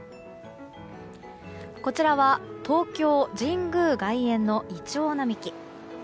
こちらは東京・神宮外苑のイチョウ並木。